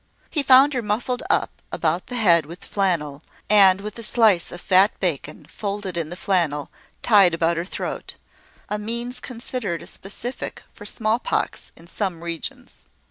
He found her muffled up about the head with flannel, and with a slice of fat bacon, folded in flannel, tied about her throat, a means considered a specific for small pox in some regions.